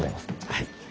はい。